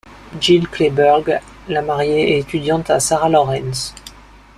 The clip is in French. Jill Clayburgh, la mariée, est étudiante à Sarah Lawrence.